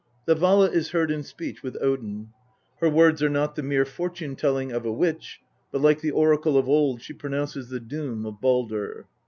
The Vala is heard in speech with Odin. Her words are not the mere fortune telling of a witch, but like the oracle of old she pro nounces the doom of Baldr.